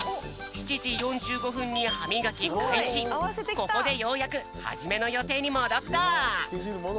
ここでようやくはじめのよていにもどった！